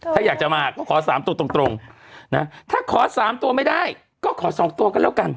ถ้าอยากจะมาก็ขอ๓ตัวตรงนะถ้าขอ๓ตัวไม่ได้ก็ขอ๒ตัวก็แล้วกัน